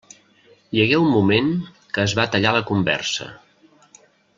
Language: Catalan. Hi hagué un moment que es va tallar la conversa.